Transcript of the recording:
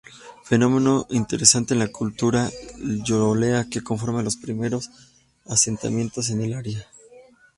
Fenómeno interesante es la Cultura Llolleo que conformó los primeros asentamientos en el área.